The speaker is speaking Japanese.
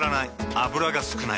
油が少ない。